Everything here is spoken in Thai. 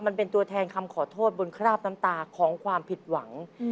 มันเป็นตัวแทนคำขอโทษบนคราบน้ำตาของความผิดหวัง